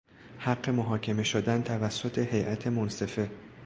حق محاکمه شدن توسط هیئت منصفه